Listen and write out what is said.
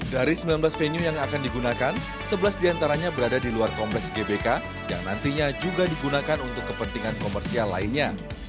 dari sembilan belas venue yang akan digunakan sebelas diantaranya berada di luar kompleks gbk yang nantinya juga digunakan untuk kepentingan komersial lainnya